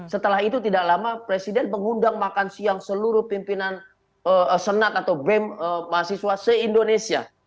setelah itu tidak lama presiden mengundang makan siang seluruh pimpinan senat atau bem mahasiswa se indonesia